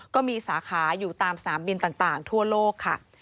ก็มีสาขาอยู่ตามสนามบินต่างทั่วโลกค่ะ